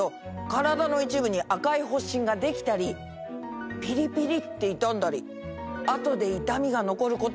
カラダの一部に赤い発疹ができたりピリピリって痛んだり後で痛みが残ることもあるんだって。